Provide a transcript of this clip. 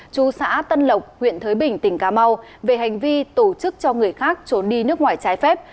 chú xã tân lộc huyện thới bình tỉnh cà mau về hành vi tổ chức cho người khác trốn đi nước ngoài trái phép